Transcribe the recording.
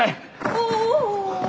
おお。